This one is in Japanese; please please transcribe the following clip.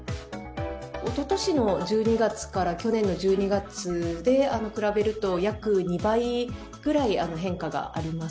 おととしの１２月から去年の１２月で比べると、約２倍ぐらい変化があります。